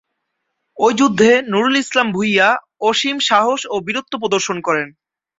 ওই যুদ্ধে নূরুল ইসলাম ভূঁইয়া অসীম সাহস ও বীরত্ব প্রদর্শন করেন।